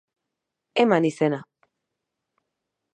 Eman izena.